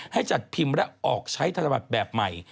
ให้จัดพิมพ์และออกใช้ธนบัตรแบบใหม่